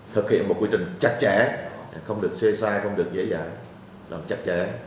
thực hiện một quy trình chắc chẽ không được xuyên sai không được dễ dàng chắc chẽ